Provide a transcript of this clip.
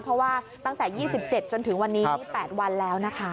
เพราะว่าตั้งแต่๒๗จนถึงวันนี้๘วันแล้วนะคะ